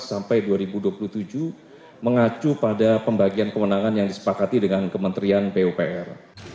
sampai dua ribu dua puluh tujuh mengacu pada pembagian kemenangan yang disepakati dengan kementerian pupr